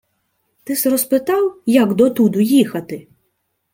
— Ти-с розпитав, як дотуду їхати?